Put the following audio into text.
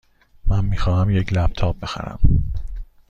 من می خواهم یک لپ تاپ بخرم.